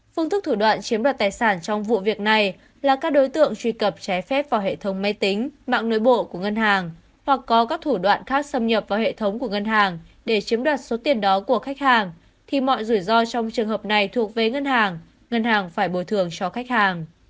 phương thức thủ đoạn chiếm đoạt tài sản trong vụ việc này là các đối tượng truy cập trái phép vào hệ thống máy tính mạng nội bộ của ngân hàng hoặc có các thủ đoạn khác xâm nhập vào hệ thống của ngân hàng để chiếm đoạt số tiền đó của khách hàng thì mọi rủi ro trong trường hợp này thuộc về ngân hàng ngân hàng phải bồi thường cho khách hàng